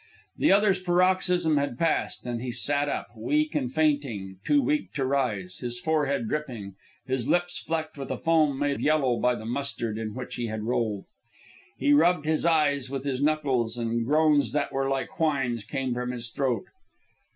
The other's paroxysm had passed, and he sat up, weak and fainting, too weak to rise, his forehead dripping, his lips flecked with a foam made yellow by the mustard in which he had rolled. He rubbed his eyes with his knuckles, and groans that were like whines came from his throat.